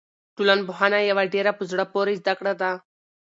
ټولنپوهنه یوه ډېره په زړه پورې زده کړه ده.